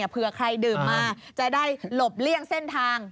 เผื่อใครดื่มมาจะได้หลบเลี่ยงเส้นทาง